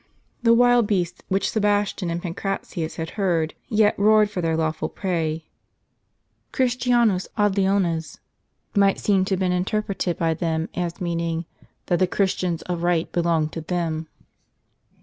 The wild beasts, which Sebastian and Pancratius had heard, yet roared for their lawful prey. "Christianos ad leo?ies^' might seem to have been interpreted by them, as meaning " that the Christians of right belonged to them."